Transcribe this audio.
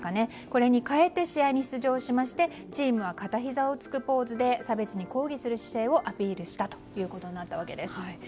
これに変えて試合に出場しましてチームは片ひざをつくポーズで差別に抗議する姿勢をアピールしたということになったわけです。